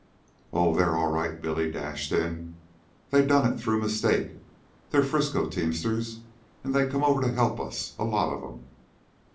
"Oh, they're all right," Billy dashed in. "They done it through mistake. They're Frisco teamsters, an' they come over to help us a lot of 'em."